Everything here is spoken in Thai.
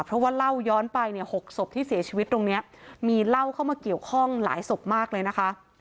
เพราะว่าเล่าย้อนไปเนี่ย๖ศพที่เสียชีวิตตรงนี้มีเหล้าเข้ามาเกี่ยวข้องหลายศพมากเลยนะคะ